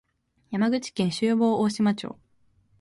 山口県周防大島町